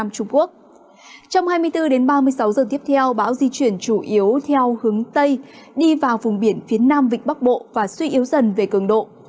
trong ba mươi sáu bốn mươi tám giờ tiếp theo bão di chuyển chủ yếu theo hướng tây đi vào vùng biển phía nam vịnh bắc bộ và suy yếu dần về cường độ